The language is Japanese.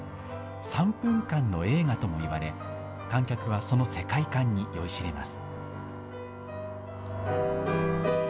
３分間の映画ともいわれ、観客はその世界観に酔いしれます。